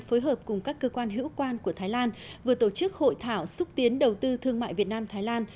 phối hợp cùng các cơ quan hữu quan của thái lan vừa tổ chức hội thảo xúc tiến đầu tư thương mại việt nam thái lan